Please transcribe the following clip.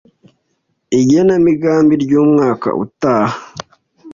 igena migambi ry’umwaka utaha